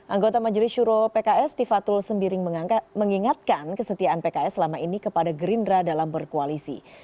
anggota majelis syuro pks tifatul sembiring mengingatkan kesetiaan pks selama ini kepada gerindra dalam berkoalisi